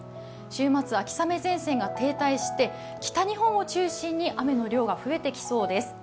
週末、秋雨前線が停滞して北日本を中心に雨の量が増えていきそうです。